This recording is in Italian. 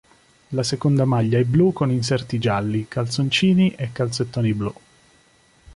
La seconda maglia è blu con inserti gialli, calzoncini e calzettoni blu.